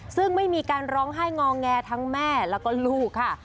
ซึ่งไม่มีการร้องไห้งอแงทั้งแม่แล้วก็ลูกค่ะ